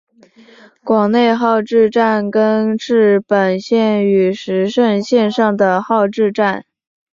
广内号志站根室本线与石胜线上的号志站。